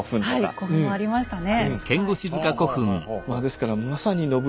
はい古墳もありましたね。